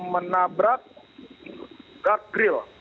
menabrak guard grill